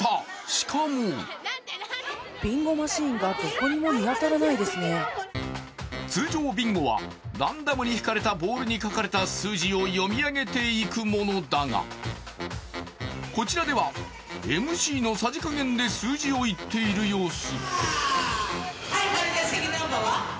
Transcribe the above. しかも通常ビンゴはランダムに引かれたボールに書かれた数字を読み上げていくものだがこちらでは、ＭＣのさじ加減で数字を言っている様子。